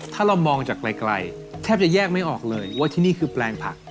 ถ้าเรามองจากไกลแทบจะแยกไม่ออกเลยว่าที่นี่คือแปลงผัก